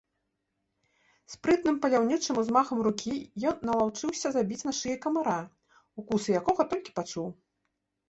Спрытным паляўнічым узмахам рукі ён налаўчыўся забіць на шыі камара, укусы якога толькі пачуў.